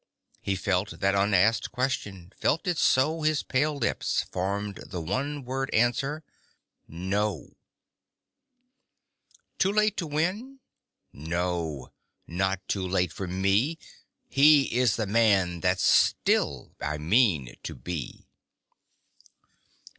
He felt that unasked question felt it so His pale lips formed the one word answer, "No!" Too late to win? No! Not too late for me He is the Man that Still I Mean to Be!